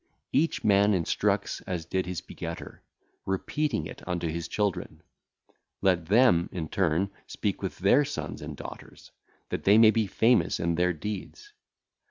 Each man instructeth as did his begetter, repeating it unto his children. Let them [in turn] speak with their sons and daughters, that they may be famous in their deeds.